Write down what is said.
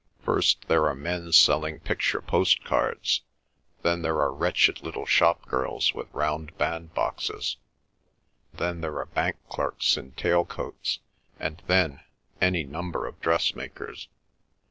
"First there are men selling picture postcards; then there are wretched little shop girls with round bandboxes; then there are bank clerks in tail coats; and then—any number of dressmakers.